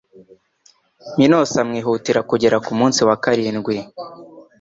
Minos amwihutira kugera kumunsi wa karindwi